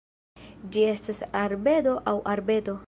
Ĝi estas arbedo aŭ arbeto.